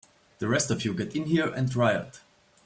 The rest of you get in here and riot!